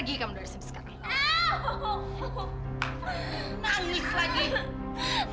kalau maka atau tersetujukan akuasti dia untuk strategis